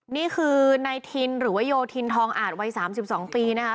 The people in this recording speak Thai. นี่คือไนทินหรือว่าโยทินทองอาจวัยสามสิบสองปีนะฮะ